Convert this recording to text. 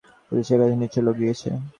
পুলিশের কাছে নিশ্চয়ই লোক গিয়েছে।